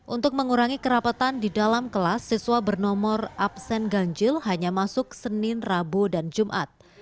untuk mengurangi kerapatan di dalam kelas siswa bernomor absen ganjil hanya masuk senin rabu dan jumat